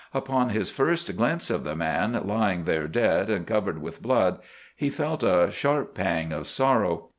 Upon his first glimpse of the man, lying there dead and covered with blood, he felt a sharp pang of sorrow.